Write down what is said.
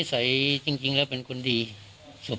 ที่จริงแล้วเป็นคุณดีก็ไม่อยากบอก